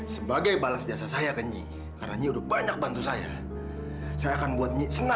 jangan lupa like share dan subscribe ya